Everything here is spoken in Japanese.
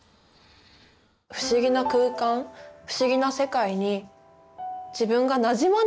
不思議な空間不思議な世界に自分がなじまないとって思って。